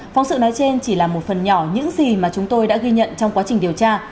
phóng sự nói trên chỉ là một phần nhỏ những gì mà chúng tôi đã ghi nhận trong quá trình điều tra